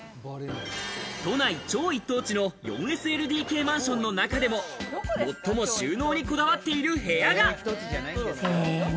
都内超一等地の４ＳＬＤＫマンションの中でも最も収納にこだわっている部屋が。